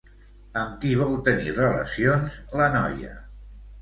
Amb qui vol tenir relacions la noia?